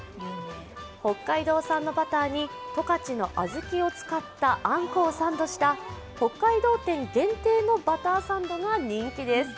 北海道産のバターに十勝の小豆を使ったあんこをサンドした北海道展限定のバターサンドが人気です。